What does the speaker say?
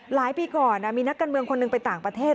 หลายปีก่อนมีนักการเมืองคนหนึ่งไปต่างประเทศ